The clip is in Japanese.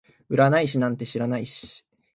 占い師なんて知らないし